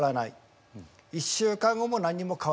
１週間後も何にも変わらない。